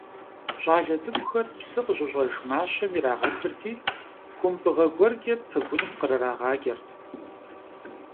Щӏалэ цӏыкӏухэр псы къыщыщӏэж мащэм ирагъэхырти, кумбыгъэ гуэркӏэ пэгуным кърырагъакӏэрт.